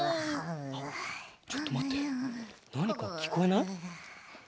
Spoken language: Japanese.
ちょっとまってなにかきこえない？